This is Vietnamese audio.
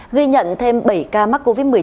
ghi nhận thêm bảy ca